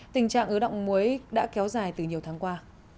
tình trạng ứ động muối đã kéo dài từ nhiều tháng qua